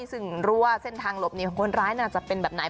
ซึ่งรู้ว่าเส้นทางหลบหนีคนร้ายน่าจะเป็นแบบไหน